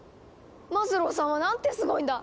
マズローさんはなんてすごいんだ！